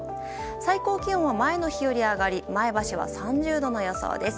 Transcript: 最高気温は前の日より上がり前橋は３０度の予想です。